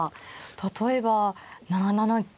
例えば７七金。